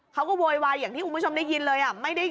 โวยวายอย่างที่คุณผู้ชมได้ยินเลย